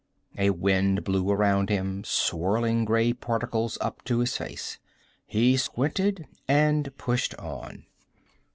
A wind blew around him, swirling gray particles up in his face. He squinted and pushed on.